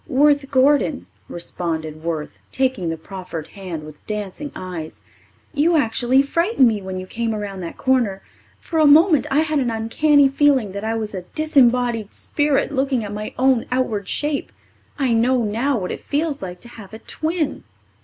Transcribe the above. "Worth Gordon," responded Worth, taking the proffered hand with dancing eyes. "You actually frightened me when you came around that corner. For a moment I had an uncanny feeling that I was a disembodied spirit looking at my own outward shape. I know now what it feels like to have a twin."